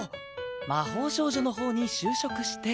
魔法少女のほうに就職して。